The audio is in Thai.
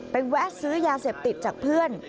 แวะซื้อยาเสพติดจากเพื่อน